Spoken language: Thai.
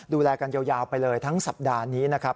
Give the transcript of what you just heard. ดูแลกันยาวไปเลยทั้งสัปดาห์นี้นะครับ